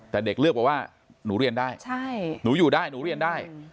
แต่เด็กเลือกบอกว่าหนูเรียนได้หนูอยู่ได้หนูเรียนได้